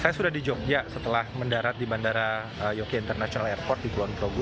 saya sudah di jogja setelah mendarat di bandara yogyakarta international airport di kulon progo